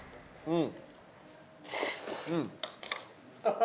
うん！